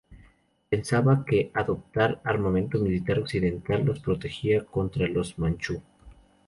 Pensaba que adoptar armamento militar occidental los protegería contra los Manchú.